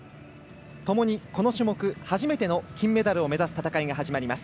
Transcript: ともにこの種目初めての金メダルを目指す戦いが始まります。